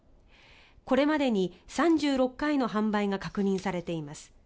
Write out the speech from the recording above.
これまでに３６回の販売が確認されています。